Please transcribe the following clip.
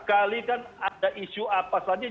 sekali kan ada isu apa saja